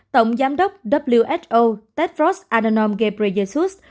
tổng giám đốc who tedros adhanom ghebreyesus